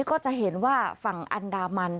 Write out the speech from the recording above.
ก็จะเห็นว่าฝั่งอันดามัน